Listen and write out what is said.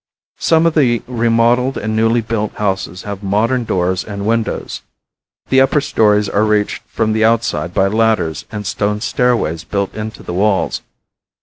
Some of the remodeled and newly built houses have modern doors and windows. The upper stories are reached from the outside by ladders and stone stairways built into the walls.